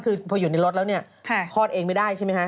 คือพออยู่ในรถแล้วเนี่ยคลอดเองไม่ได้ใช่ไหมฮะ